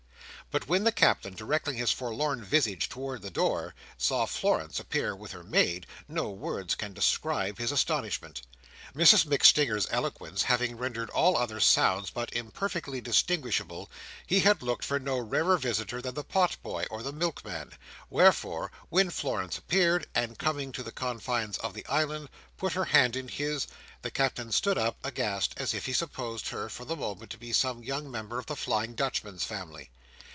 But when the Captain, directing his forlorn visage towards the door, saw Florence appear with her maid, no words can describe his astonishment. Mrs MacStinger's eloquence having rendered all other sounds but imperfectly distinguishable, he had looked for no rarer visitor than the potboy or the milkman; wherefore, when Florence appeared, and coming to the confines of the island, put her hand in his, the Captain stood up, aghast, as if he supposed her, for the moment, to be some young member of the Flying Dutchman's family.